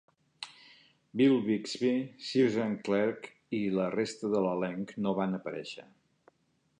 Bill Bixby, Susan Clark i la resta de l'elenc no van aparèixer.